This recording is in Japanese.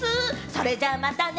それじゃ、またね。